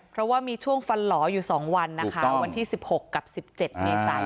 เพราะว่ามีช่วงฟันหล่ออยู่๒วันนะคะวันที่๑๖กับ๑๗เมษายน